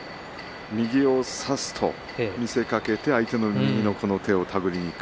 右を差すと見せかけて相手の右を手繰りにいく。